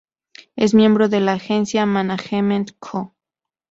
Es miembro de la agencia "Management Koo".